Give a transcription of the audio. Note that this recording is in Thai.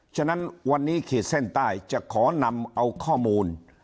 ฉะนั้นวันนี้ขีดเส้นใต้จะขอนำเอาข้อมูล